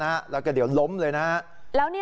แล้วก็เดี๋ยวล้มเลยนะฮะ